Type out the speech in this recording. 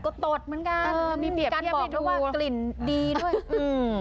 ก็ตดเหมือนกันเออมีการบอกว่ากลิ่นดีด้วยอืม